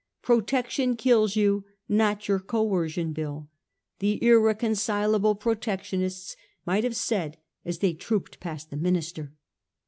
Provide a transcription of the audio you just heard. ' Protection kills you ; not your Coer cion Bill,' the irreconcilable Protectionists might have said as they trooped past the minister.